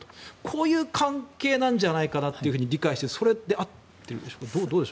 こういう関係なんじゃないかなと理解してそれで合ってるでしょうか。